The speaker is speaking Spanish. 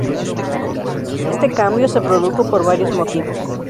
Este cambio se produjo por varios motivos.